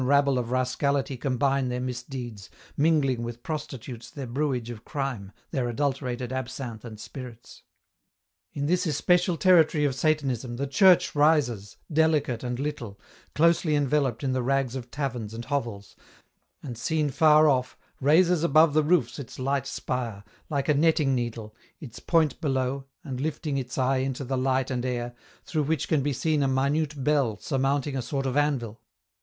29 rabble of rascality combine their misdeeds, mingling with prostitutes their brewage of crime, their adulterated absinthe and spirits. In this especial territory of Satanism, the church rises, delicate and little, closely enveloped in the rags of taverns and hovels, and seen far off, raises above the roofs its light spire, like a netting needle, its point below, and liftmg its eye into the light and air, through which can be seen a minute bell surmounting a sort of anvil.